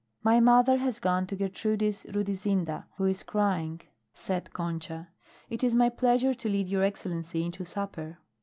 "My mother has gone to Gertrudis Rudisinda, who is crying," said Concha. "It is my pleasure to lead your excellency in to supper."